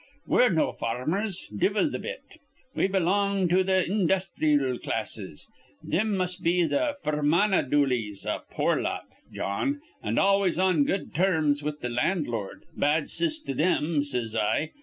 We're no farmers, divvle th' bit. We belong to th' industhreel classes. Thim must be th' Fermanagh Dooleys, a poor lot, Jawn, an' always on good terms with th' landlord, bad ciss to thim, says I.